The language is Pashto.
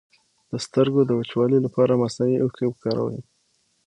د سترګو د وچوالي لپاره مصنوعي اوښکې وکاروئ